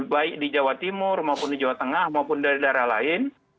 baik di jawa timur maupun di jawa tengah maupun dari daerah lain